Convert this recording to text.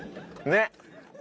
ねっ。